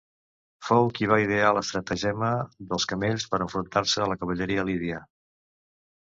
Fou qui va idear l'estratagema dels camells per enfrontar-se a la cavalleria lídia.